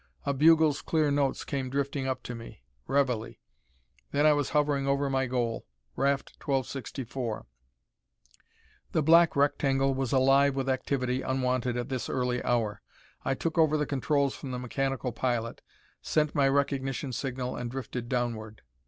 A bugle's clear notes came drifting up to me, reveille. Then I was hovering over my goal, raft 1264. The black rectangle was alive with activity unwonted at this early hour. I took over the controls from the mechanical pilot, sent my recognition signal and drifted downward.